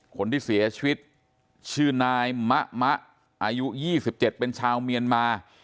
คนที่เสียชีวิตชื่อนายมะมะอายุ๒๗เป็นชาวเมียนมา